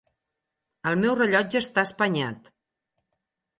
El meu rellotge està espanyat.